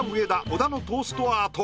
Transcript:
小田のトーストアート